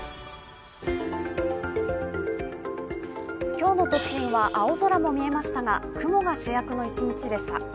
今日の都心は青空も見えましたが、雲が主役の一日でした。